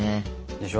でしょ？